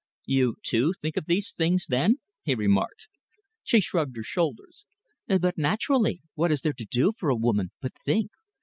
"You, too, think of these things, then?" he remarked. She shrugged her shoulders. "But naturally! What is there to do for a woman but think?